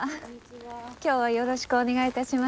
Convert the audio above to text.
今日はよろしくお願いいたします。